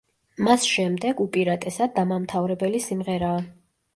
მას შემდეგ, უპირატესად, დამამთავრებელი სიმღერაა.